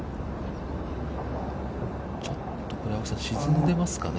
ちょっとこれ青木さん、沈んでますかね。